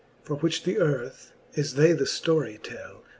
For which the earth, as they the ftory tell.